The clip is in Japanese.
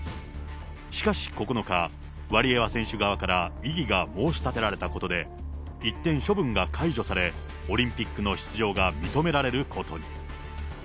しかし９日、ワリエワ選手側から異議が申し立てられたことで、一転、処分が解除され、オリンピックの出場が認められることに。